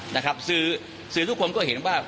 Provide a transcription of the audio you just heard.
นะครับสื่อสื่อทุกคนก็เห็นว่า